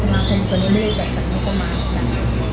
มาคนตัวนี้ไม่ได้จัดสรรคมมากกัน